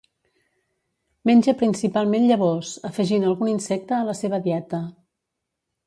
Menja principalment llavors, afegint algun insecte a la seva dieta.